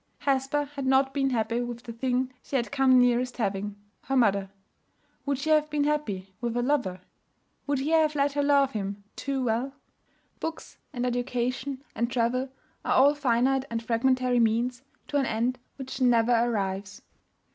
Hesper had not been happy with the thing she had come nearest having her mother. Would she have been happy with her lover? Would he have let her love him 'too well'? Books and education and travel are all finite and fragmentary means to an end which never arrives.